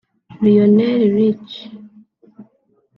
Lionel Richie